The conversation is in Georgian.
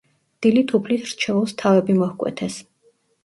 დილით უფლის რჩეულს თავები მოჰკვეთეს.